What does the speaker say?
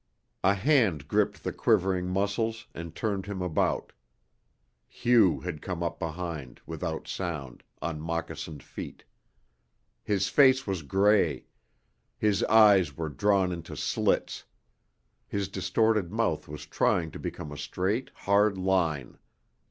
A hand gripped the quivering muscles and turned him about. Hugh had come up behind, without sound, on moccasined feet. His face was gray; his eyes were drawn into slits; his distorted mouth was trying to become a straight, hard line.